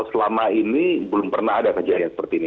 selama ini belum pernah ada kejadian seperti ini